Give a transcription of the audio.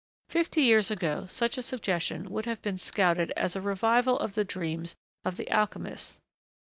Fifty years ago, such a suggestion would have been scouted as a revival of the dreams of the alchemists.